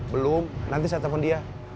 belum nanti saya telepon dia